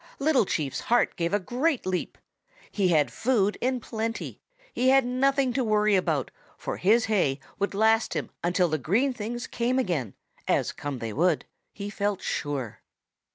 Little Chief's heart gave a great leap. He had food in plenty! He had nothing to worry about, for his hay would last him until the green things came again, as come they would, he felt sure.